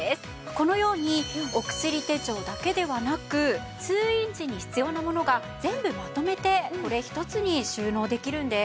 このようにお薬手帳だけではなく通院時に必要なものが全部まとめてこれ一つに収納できるんです。